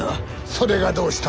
それがどうした？